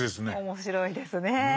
面白いですね。